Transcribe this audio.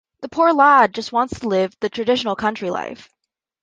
The poor lad just wants to live the traditional country life.